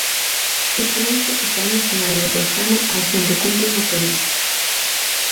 Esta noite estará no escenario do programa alguén que cumpre unha promesa...